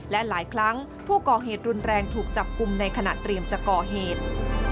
และหลายครั้งผู้ก่อเหตุรุนแรงถูกจับกลุ่มในขณะเตรียมจะก่อเหตุ